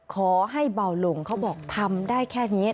ขอให้เบาลงเขาบอกทำได้แค่นี้